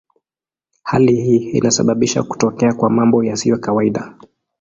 Hali hii inasababisha kutokea kwa mambo yasiyo kawaida.